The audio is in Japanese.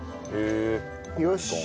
よし。